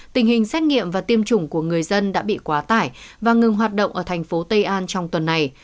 tình hình xét nghiệm và tiêm chủng của người dân đã bị quá tải và ngừng hoạt động ở thành phố tây an trong tuần này